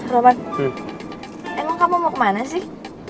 roman emang kamu mau kemana sih